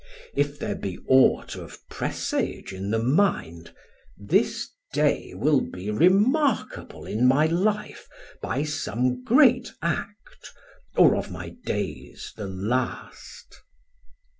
If there be aught of presage in the mind, This day will be remarkable in my life By some great act, or of my days the last.